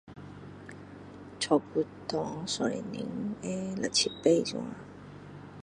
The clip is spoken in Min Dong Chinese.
差不多一小时会六七次这样